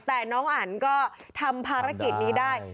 แต่น้องอันก็ทำภารกิจนี้ได้